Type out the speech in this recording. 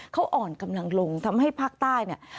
เขาอ่อนกำลังลงทำให้ภาคใต้เนี่ย